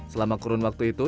selama kurun waktu itu